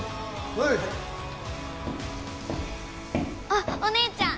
あっお姉ちゃん！